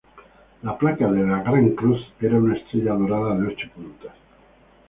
La placa de la "Gran Cruz" era una estrella dorada de ocho puntas.